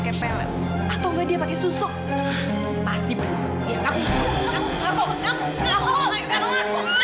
kelewatan kamu itu yang kelewatan